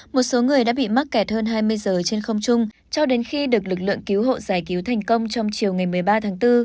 một số người đã bị mắc kẹt hơn hai mươi giờ trên không chung cho đến khi được lực lượng cứu hộ giải cứu thành công trong chiều ngày một mươi ba tháng bốn